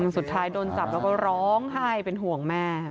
สุดท้ายโดนจับแล้วก็ร้องไห้เป็นห่วงแม่